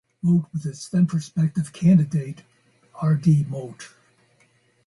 Mote with its then-prospective candidate R. D. Moate.